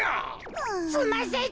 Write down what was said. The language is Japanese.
すんません